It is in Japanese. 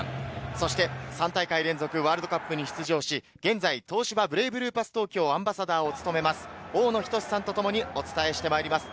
そして３大会連続ワールドカップに出場し、現在、東芝ブレイブルーパス東京アンバサダーを務める大野均さんとともにお伝えします。